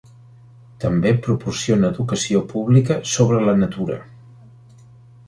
També proporciona educació pública sobre la natura.